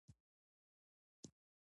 د دې ژورنال ارشیف په انلاین بڼه شتون لري.